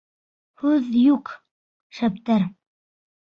Һүҙ юҡ, шәптәр!